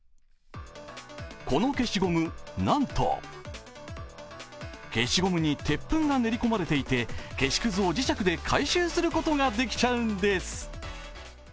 この消しゴム、なんと消しゴムに鉄粉が練り込まれていて、消しくずを磁石で回収することができちゃうんです。